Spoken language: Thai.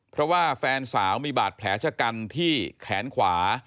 เพราะว่าแฟนสาวมีบาดแผลชะกันที่แขนขวา